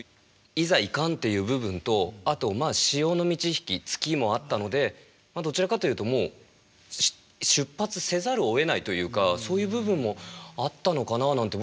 いざいかんっていう部分とあとまあ潮の満ち引き月もあったのでどちらかというともう出発せざるをえないというかそういう部分もあったのかななんて